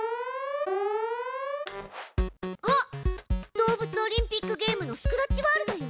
動物オリンピックゲームのスクラッチワールドよ。